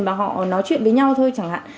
và họ nói chuyện với nhau thôi chẳng hạn